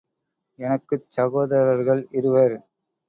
எனக்குச் சகோதரர்கள் இருவர்.